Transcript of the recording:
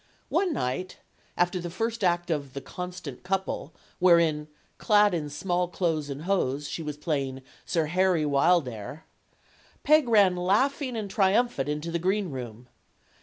One night, after the first act of "The Constant Couple," wherein, clad in small clothes and hose, she was playing Sir Harry Wildair, Peg ran laughing and triumphant into the greenroom.